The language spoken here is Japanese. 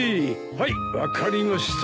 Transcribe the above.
はい分かりました。